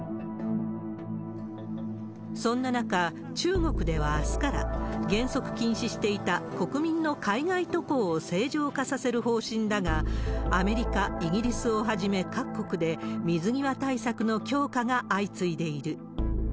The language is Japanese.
そんな中、中国ではあすから、原則禁止していた国民の海外渡航を正常化させる方針だが、アメリカ、イギリスをはじめ、各国で水際対策の強化が相次いでいる。